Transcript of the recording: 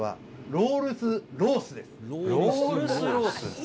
ロールスロース？